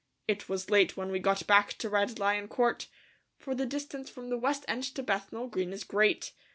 It was late when we got back to Red Lion Court, for the distance from the West End to Bethnal Green is great.